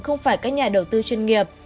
không phải các nhà đầu tư chuyên nghiệp